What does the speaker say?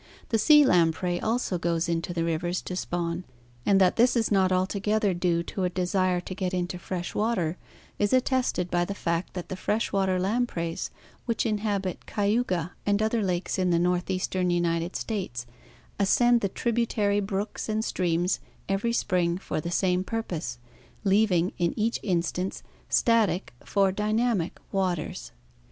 The sea lamprey also goes into the rivers to spawn, and that this is not altogether due to a desire to get into fresh water is attested by the fact that the fresh water lampreys which inhabit Cayuga and other lakes in the northeastern United States ascend the tributary brooks and streams every spring for the same purpose, leaving in each instance static for dynamic waters.